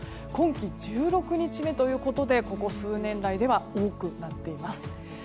今季１６日目ということでここ数年来では多くなっています。